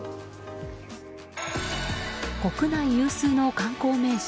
国内有数の観光名所